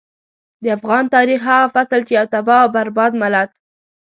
د افغان تاريخ هغه فصل چې يو تباه او برباد ملت.